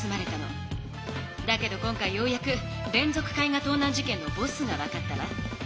だけど今回ようやく連続絵画盗難事件のボスが分かったわ。